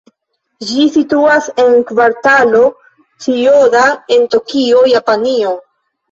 Ĝi situas en Kvartalo Ĉijoda en Tokio, Japanio.